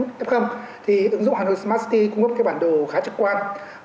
những cái nơi bị phát sinh ca bệnh nhân f thì ứng dụng hanoi smart city cung cấp cái bản đồ khá trực quan